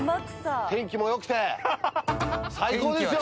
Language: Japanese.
天気も良くて最高ですよ。